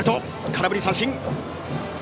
空振り三振！